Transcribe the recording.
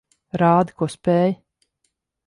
Rādi, ko spēj.